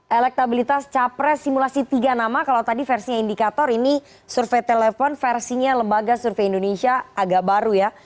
elektabilitas capres simulasi tiga nama kalau tadi versinya indikator ini survei telepon versinya lembaga survei indonesia agak baru ya